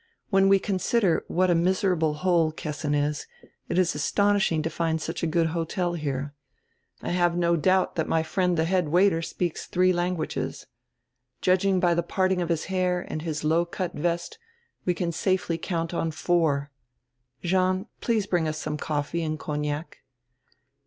"When we consider what a miserable hole Kessin is, it is astonishing to find such a good hotel here. I have no doubt diat my friend die head waiter speaks diree languages. Judging by die parting of his hair and his low cut vest we can safely count on four —Jean, please bring us some coffee and cognac."